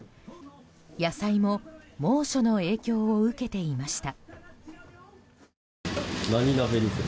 野菜も猛暑の影響を受けていました。